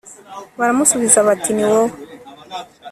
baramusubiza bati, niwowe